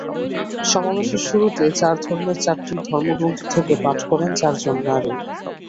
সমাবেশের শুরুতে চার ধর্মের চারটি ধর্মগ্রন্থ থেকে পাঠ করেন চারজন নারী।